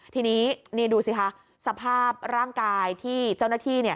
ทีนี้นี่ดูสิคะสภาพร่างกายที่เจ้าหน้าที่